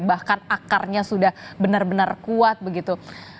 bahkan akarnya sudah benar benar kuat begitu